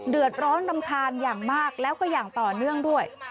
เดือดร้อนรำคาญอย่างมากแล้วก็อย่างต่อเนื่องด้วย